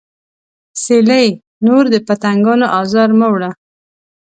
سیلۍ نور د پتنګانو ازار مه وړه